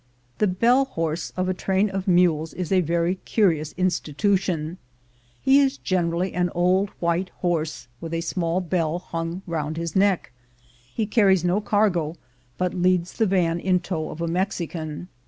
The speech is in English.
The bell horse of a train of mules is a very curious institution. He is generally an old white horse, with a small bell hung round his neck. He carries no cargo, but leads the van in tow of a Mexican.